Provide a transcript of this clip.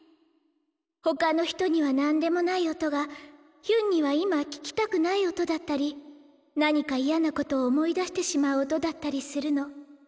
他の人には何でもない音がヒュンには今聴きたくない音だったり何か嫌な事を思い出してしまう音だったりするの。